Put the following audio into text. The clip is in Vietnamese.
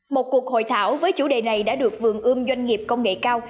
một cuộc hội thảo với chủ đề này đã được vườn ươm doanh nghiệp công nghệ cao